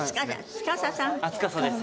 司です。